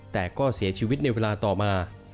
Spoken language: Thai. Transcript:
แต่ก็เสียชีวิตในเวลาต่อมา